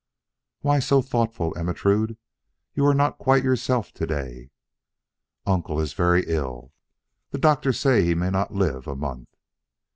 "Why so thoughtful, Ermentrude? You are not quite yourself to day?" "Uncle is very ill. The doctors say that he may not live a month."